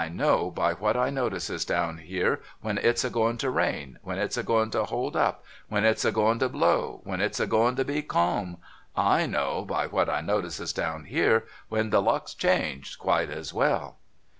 know by what I notices down here, when it's a going to rain, when it's a going to hold up, when it's a going to blow, when it's a going to be calm. / know, by what I notices down here, when the luck's changed, quite as well.'